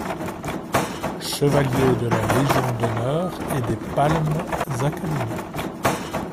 Chevalier de la légion d'honneur et des palmes académiques.